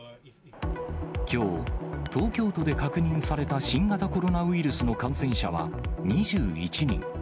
きょう、東京都で確認された新型コロナウイルスの感染者は２１人。